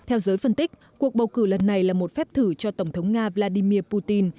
theo giới phân tích cuộc bầu cử lần này là một phép thử cho tổng thống nga vladimir putin